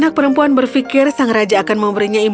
si anak perempuan berfikir sang raja akan memberinya imut